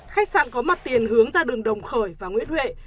khách sạn có mặt tiền hướng ra đường đồng khởi và nguyễn huệ